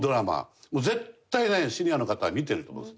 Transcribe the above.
絶対ねシニアの方は見てると思います。